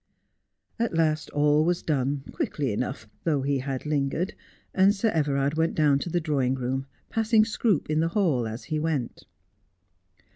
At last all was done, quickly enough, though he had lingered, and Sir Everard went down to the drawing room, passing Scroope in the hall as he went.